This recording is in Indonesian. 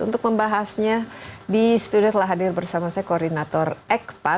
untuk membahasnya di studio telah hadir bersama saya koordinator ekpa